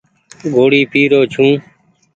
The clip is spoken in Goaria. ڳوڙي پيرو ڇون ۔